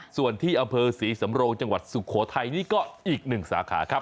ส่วนที่อำเภอศรีสำโรงจังหวัดสุโขทัยนี่ก็อีกหนึ่งสาขาครับ